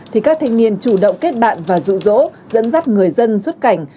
thì các thanh niên chủ động kết bạn và rụ rỗ dẫn dắt người dân xuất cảnh